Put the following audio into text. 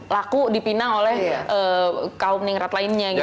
laku dipinang oleh kaum ningrat lainnya gitu